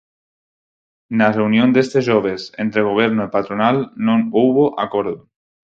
Na reunión deste xoves entre Goberno e patronal non houbo acordo.